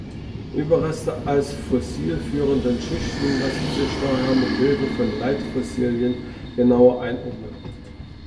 Überreste aus fossilführenden Schichten lassen sich daher mit Hilfe von Leitfossilien genauer einordnen.